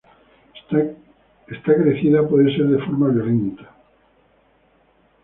Esta crecida puede ser de forma violenta.